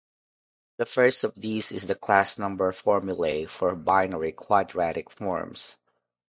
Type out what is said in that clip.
The first of these is the class number formulae for binary quadratic forms.